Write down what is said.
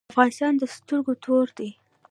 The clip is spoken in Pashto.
افغانستان د سترګو تور دی